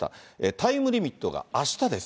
タイムリミットがあしたです。